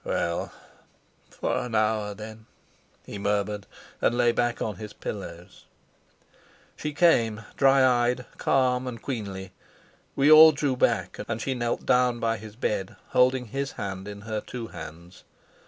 "Well, for an hour, then," he murmured, and lay back on his pillows. She came, dry eyed, calm, and queenly. We all drew back, and she knelt down by his bed, holding his hand in her two hands.